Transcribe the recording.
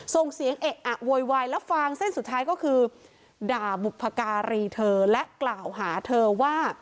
ส่งเสียงเอะอะโวยวายแล้วฟางเส้นสุดท้ายก็คือด่าบุพการีเธอและกล่าวหาเธอว่า